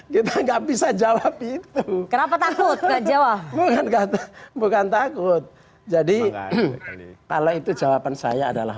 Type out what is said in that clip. kita nggak bisa jawab itu kenapa takut jawab bukan takut jadi kalau itu jawaban saya adalah